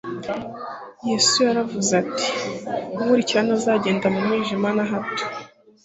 Yesu yaravuze, ati : "Unkurikira ntazagenda mu mwijima na hato,